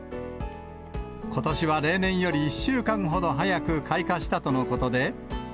ことしは例年より１週間ほど早く開花したとのことで。